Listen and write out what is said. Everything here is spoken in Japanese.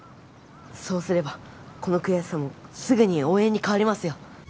そうすればこの悔しさもすぐに応援に変わりますよ。